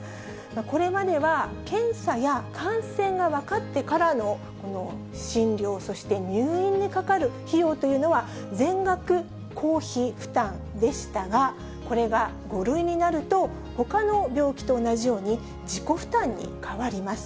これまでは検査や感染が分かってからの診療、そして入院にかかる費用というのは、全額公費負担でしたが、これが５類になると、ほかの病気と同じように自己負担に変わります。